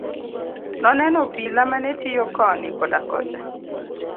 Noneno obila mane tiyo koni koda kocha.